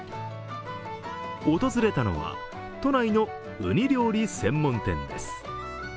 訪れたのは、都内のうに料理専門店です。